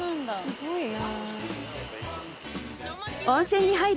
すごいな。